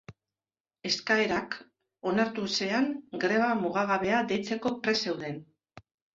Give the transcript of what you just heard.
Eskaerak onartu ezean, greba mugagabea deitzeko prest zeuden.